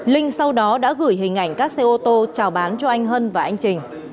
linh sau đó đã gửi hình ảnh các xe ô tô trào bán cho anh hân và anh trình